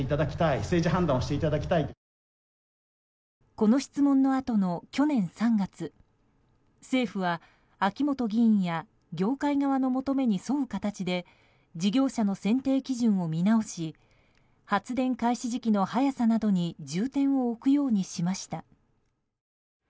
この質問のあとの去年３月政府は秋本議員や業界側の求めに沿う形で事業者の選定基準を見直し発電開始時期の早さなどに重点を置くようにしました。